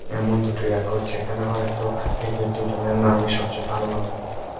এমন দুটি রেকর্ড, যেখানে হয়তো এঁদের দুজনের নামই সবচেয়ে ভালো মানায়।